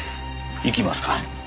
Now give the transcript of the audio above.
行きますか？